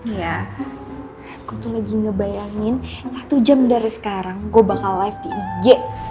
iya saya lagi membayangkan satu jam dari sekarang saya akan live di ig